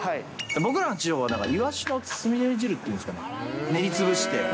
僕らの地方はイワシのつみれ汁っていうんですかね、練り潰して。